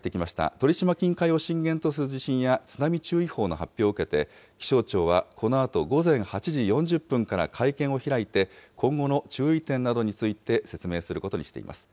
鳥島近海を震源とする地震や津波注意報の発表を受けて、気象庁は、このあと午前８時４０分から会見を開いて、今後の注意点などについて、説明することにしています。